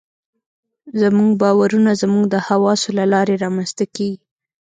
زموږ باورونه زموږ د حواسو له لارې رامنځته کېږي.